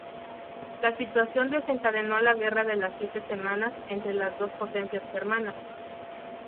La situación desencadenó la guerra de las Siete Semanas entre las dos potencias germanas.